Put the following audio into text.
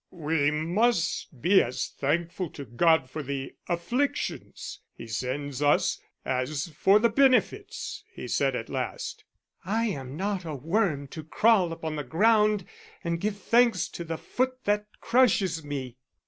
"We must be as thankful to God for the afflictions He sends as for the benefits," he said at last. "I am not a worm to crawl upon the ground and give thanks to the foot that crushes me."